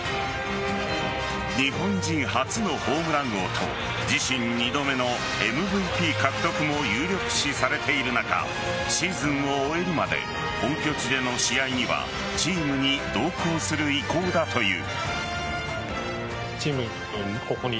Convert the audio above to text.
日本人初のホームラン王と自身２度目のＭＶＰ獲得も有力視されている中シーズンを終えるまで本拠地での試合にはチームに同行する意向だという。